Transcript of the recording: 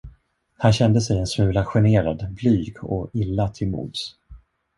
Han kände sig en smula generad, blyg och illa till mods.